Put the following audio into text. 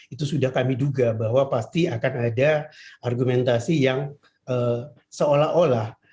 itu sudah kami duga bahwa pasti akan ada argumentasi yang seolah olah